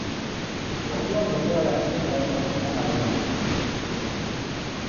Orduan berehalaxe joango naiz amarengana.